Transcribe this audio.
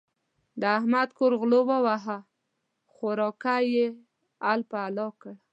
د احمد کور غلو وواهه؛ خوراکی يې الپی الا کړ.